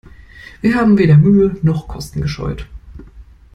Wir haben weder Mühe noch Kosten gescheut.